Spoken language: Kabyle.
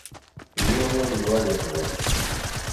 Yiwen ur yebɣi ad yexdem.